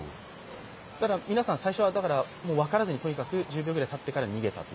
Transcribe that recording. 皆さん、最初は分からずに、とにかく１０秒ぐらいたってから逃げたと。